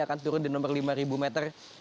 akan turun di nomor lima meter